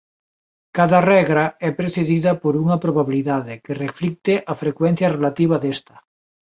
Cada regra é precedida por unha probabilidade que reflicte a frecuencia relativa desta.